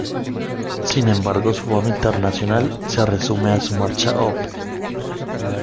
Sin embargo su fama internacional se resume a su marcha Op.